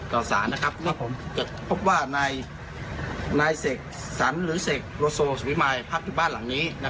ต่อศาลจะพบว่านายเสกศาลหรือเสกโรโซสวิมัยพักที่บ้านหลังนี้